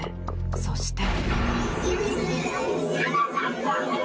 そして。